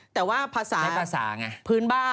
แต่ว่าภาษาพื้นบ้าน